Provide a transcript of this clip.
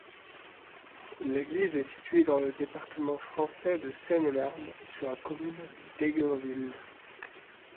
L'église est située dans le département français de Seine-et-Marne, sur la commune d'Égreville.